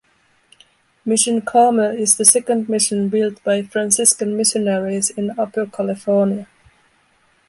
Mission Carmel is the second mission built by Franciscan missionaries in Upper California.